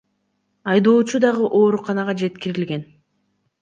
Айдоочу дагы ооруканага жеткирилген.